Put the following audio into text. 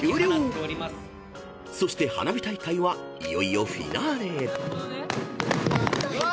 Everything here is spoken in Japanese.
［そして花火大会はいよいよフィナーレへ］わ！